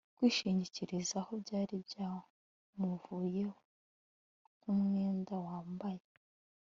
Kwishingikirizaho byari byamuvuyeho nkumwenda wambaye